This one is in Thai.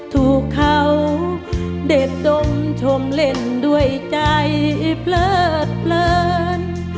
ถูกเขาเด็ดดมชมเล่นด้วยใจเพลิดเพลิน